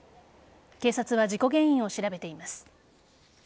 警察は事故原因を調べています。